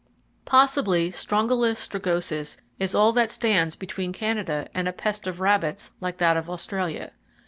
Possibly Strongylus strigosus is all that stands between Canada and a pest of rabbits like that of Australia.